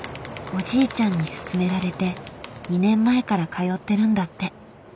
おじいちゃんに勧められて２年前から通ってるんだって。